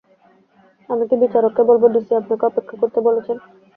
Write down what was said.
আমি কী বিচারককে বলবো ডিসি আপনাকে অপেক্ষা করতে বলেছেন?